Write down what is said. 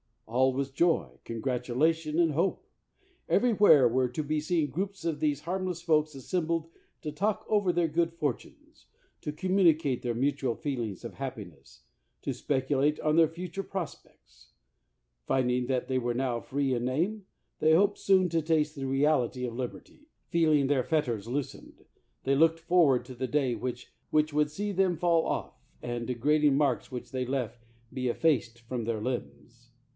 All was joy, congratulation, and hope. Everywhere were to be seen groups of these harmless folks assembled to talk over their good fortunes, to communicate their mutual feelings of happiness, to speculate on their future prospects. Finding that they were now free in name, they hoped soon to taste the reality of libertj\ Feeling their fetters loosened, they looked forward to the day which would see them fall off, and the degrading marks which they left be effaced from their limbs.